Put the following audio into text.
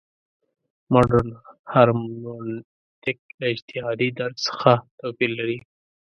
مډرن هرمنوتیک له اجتهادي درک څخه توپیر لري.